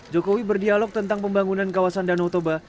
jokowi berdialog tentang pembangunan kawasan danau toba